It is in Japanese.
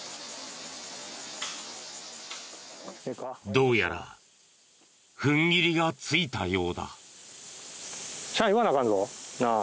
どうやら踏ん切りがついたようだ。なあ。